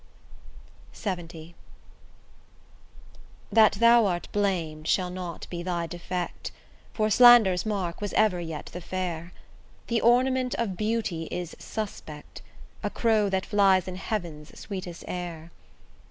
LXX That thou art blam'd shall not be thy defect, For slander's mark was ever yet the fair; The ornament of beauty is suspect, A crow that flies in heaven's sweetest air.